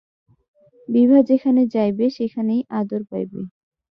বিভা যেখানে যাইবে সেইখানেই আদর পাইবে।